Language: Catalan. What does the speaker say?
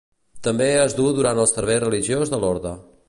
També es duu durant el servei religiós de l'orde.